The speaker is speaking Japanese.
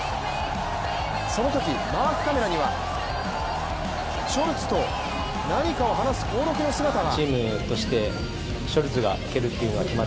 そのとき、マークカメラにはショルツと何かを話す興梠の姿が。